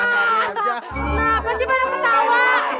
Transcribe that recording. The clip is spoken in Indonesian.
kenapa sih pada ketawa